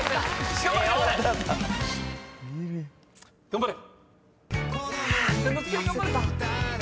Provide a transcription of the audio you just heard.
頑張れ。